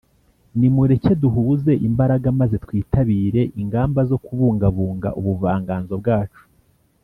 nimureke duhuze imbaraga maze twitabire ingamba zo kubungabunga ubuvanganzo bwacu